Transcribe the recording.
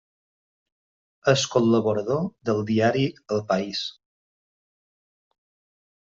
És col·laborador del diari El País.